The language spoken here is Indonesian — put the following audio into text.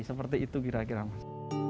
seperti itu kira kira mas